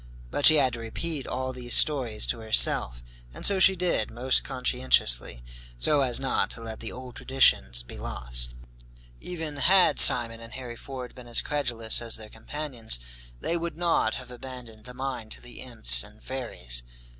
But she had to repeat all these stories to herself, and so she did, most conscientiously, so as not to let the old traditions be lost. Even had Simon and Harry Ford been as credulous as their companions, they would not have abandoned the mine to the imps and fairies.